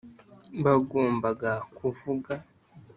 bagombaga kuvuga